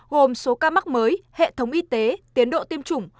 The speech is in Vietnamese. gồm số ca mắc mới hệ thống y tế tiến độ tiêm chủng